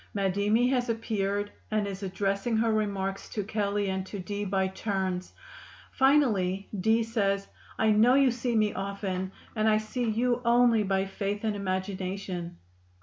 Madimi has appeared and is addressing her remarks to Kelley and to Dee by turns; finally, Dee says, "I know you see me often and I see you only by faith and imagination."